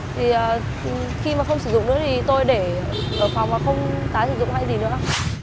thì khi mà không sử dụng nữa thì tôi để ở phòng và không tái sử dụng hay gì nữa